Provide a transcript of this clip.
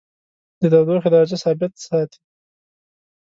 د تودیخي درجه ثابته ساتي.